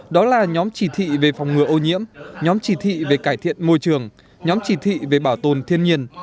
đó là nhóm chỉ thị về phòng ngừa ô nhiễm nhóm chỉ thị về cải thiện môi trường nhóm chỉ thị về bảo tồn thiên nhiên